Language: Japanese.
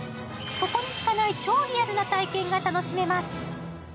ここにしかない超リアルな体験が楽しめます。